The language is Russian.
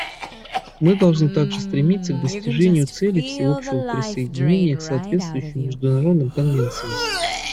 Мы должны также стремиться к достижению цели всеобщего присоединения к соответствующим международным конвенциям.